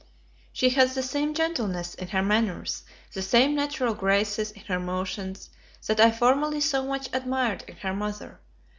She has the same gentleness in her manners, the same natural graces in her motions, that I formerly so much admired in her mother.